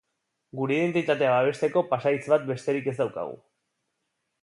Gure identitatea babesteko pasahitz bat besterik ez daukagu.